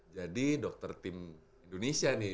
jadi dokter tim indonesia nih